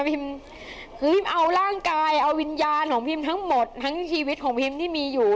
เอาร่างกายเอาวิญญาณของพิมทั้งหมดทั้งชีวิตของพิมที่มีอยู่